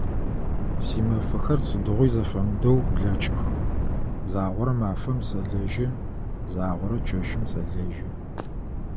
Симэфэхэр сыдигъуи зэфэмыдэу блэкӏых, загъорэ мафэм сэлэжьэ, загъорэ чэщым сэлэжьэ.